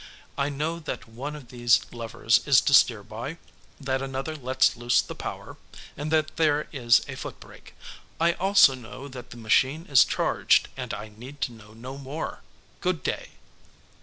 I know that one of these levers is to steer by, that another lets loose the power, and that there is a foot brake. I also know that the machine is charged, and I need to know no more. Good day."